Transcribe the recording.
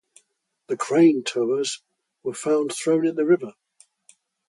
The crane towers were found thrown into the river.